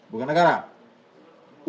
bukan negara uangnya itu berarti